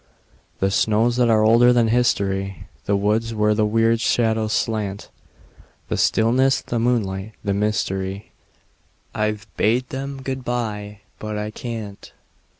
The snows that are older than history, The woods where the weird shadows slant; The stillness, the moonlight, the mystery, I've bade 'em good by but I can't.